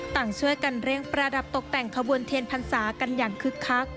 ต่างช่วยกันเร่งประดับตกแต่งขบวนเทียนพรรษากันอย่างคึกคัก